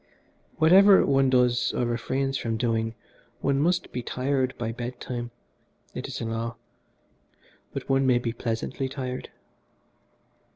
Whatever one does or refrains from doing one must be tired by bed time it is a law but one may be pleasantly tired.